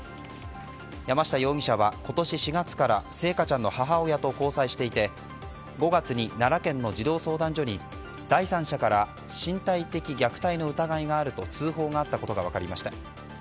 山下容疑者は今年４月から星華ちゃんの母親と交際していて５月に、奈良県の児童相談所に第三者から身体的虐待の疑いがあると通報があったことが分かりました。